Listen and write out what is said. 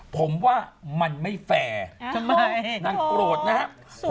ผมว่ามันไม่แฟร์นางโกรธนะครับ